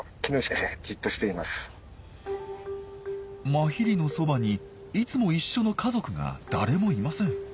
マヒリのそばにいつも一緒の家族が誰もいません。